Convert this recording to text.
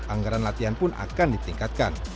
anggaran latihan pun akan ditingkatkan